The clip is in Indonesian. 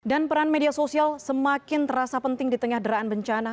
dan peran media sosial semakin terasa penting di tengah deraan bencana